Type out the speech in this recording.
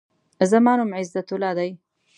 زما نوم عزت الله دی.